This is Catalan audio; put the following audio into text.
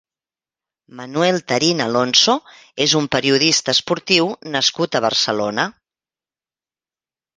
Manuel Tarín Alonso és un periodista esportiu nascut a Barcelona.